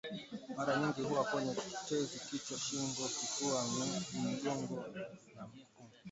mara nyingi huwa kwenye tezi kichwa shingo kifua mgongo na miguuni